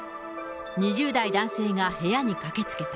２０代男性が部屋に駆けつけた。